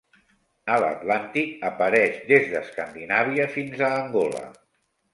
A l'Atlàntic apareix des d'Escandinàvia fins a Angola.